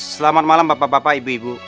selamat malam bapak bapak ibu ibu